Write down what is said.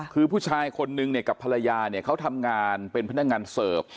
คือผู้ชายคนนึงเนี่ยกับภรรยาเนี่ยเขาทำงานเป็นพนักงานเสิร์ฟ